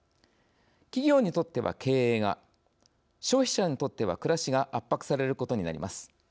企業にとっては経営が消費者にとっては暮らしが圧迫されることになります。